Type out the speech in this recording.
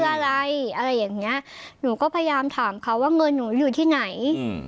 เขาพยายามถามว่าเงินหนูอยู่ที่ไหน